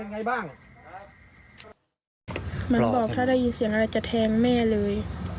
มันบอกถ้าได้ยินเสียงอะไรจะแทงแม่เลย